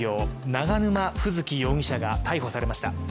永沼楓月容疑者が逮捕されました。